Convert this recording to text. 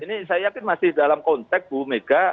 ini saya yakin masih dalam konteks bu mega